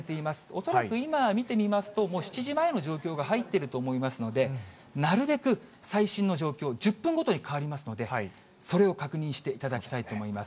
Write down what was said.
恐らく今、見てみますと、もう７時前の状況が入っていると思いますので、なるべく最新の状況、１０分ごとに変わりますので、それを確認していただきたいと思います。